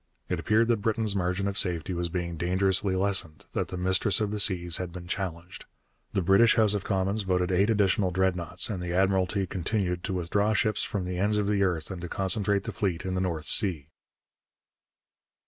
It appeared that Britain's margin of safety was being dangerously lessened, that the Mistress of the Seas had been challenged. The British House of Commons voted eight additional Dreadnoughts and the Admiralty continued to withdraw ships from the ends of the earth and to concentrate the fleet in the North Sea.